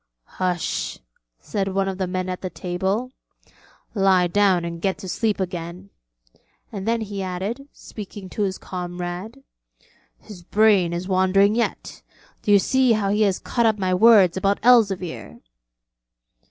'Hush,' said one of the men at the table, 'lie down and get to sleep again'; and then he added, speaking to his comrade: 'His brain is wandering yet: do you see how he has caught up my words about Elzevir?'